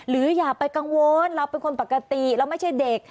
เราเป็นคนปกติเราไม่ใช่เด็ก